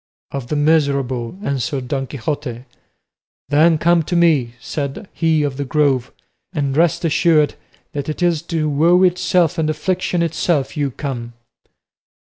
"Of the miserable," answered Don Quixote. "Then come to me," said he of the Grove, "and rest assured that it is to woe itself and affliction itself you come."